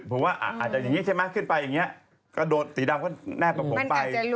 เพราะว่าอาจจะขึ้นไปอย่างนี้กระโดดสีดำก็แนบกับผมไป